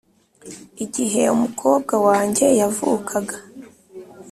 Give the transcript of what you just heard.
igihe umukobwa wanjye yavukaga